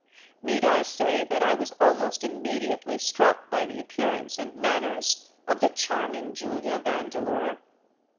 Need I say that I was almost immediately struck by the appearance and manners of the charming Julia Vandeleur?